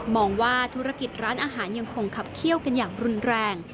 ว่าธุรกิจร้านอาหารยังคงขับเขี้ยวกันอย่างรุนแรง